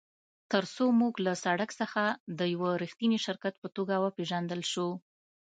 ترڅو موږ له سړک څخه د یو ریښتیني شرکت په توګه وپیژندل شو